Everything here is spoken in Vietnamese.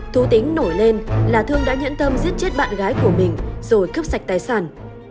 thú tính nổi lên là thương đã nhẫn tâm giết chết bạn gái của mình rồi cướp sạch tài sản